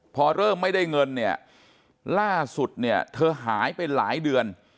พอเริ่มไม่ได้เงินเนี่ยล่าสุดเนี่ยเธอหายไปหลายเดือน